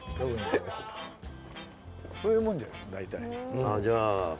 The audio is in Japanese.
そういうもんじゃないですか大体。